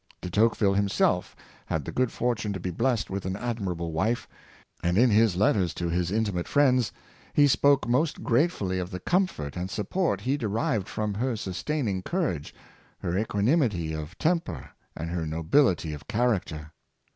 De Tocqueville himself had the good fortune to be blessed with an admirable wife; and in his letters to his intimate friends he spoke most gratefully of the comfort and support he derived from her sustaining courage, her equanimity of temper, and her nobility of character.